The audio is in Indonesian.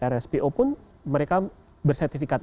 rspo pun mereka bersertifikat